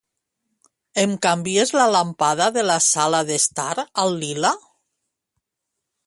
Em canvies la làmpada de la sala d'estar al lila?